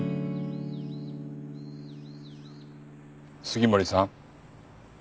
杉森さん。